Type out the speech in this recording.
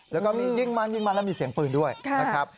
แล้วก็มียิงมันยิงมันแล้วมีเสียงปืนด้วยนะครับ